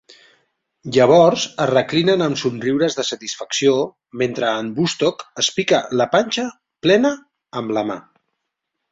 Llavors es reclinen amb somriures de satisfacció mentre en Woodstock es pica la panxa plena amb la mà.